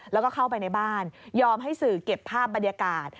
แล้วก็เข้าไปในบ้านยอมให้สื่อเก็บภาพบรรยากาศ